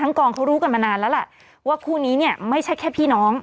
กองเขารู้กันมานานแล้วแหละว่าคู่นี้เนี่ยไม่ใช่แค่พี่น้อง